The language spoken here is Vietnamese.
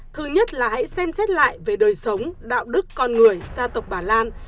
thứ nhất là hãy xem xét lại về đời sống đạo đức con người gia tộc bà lan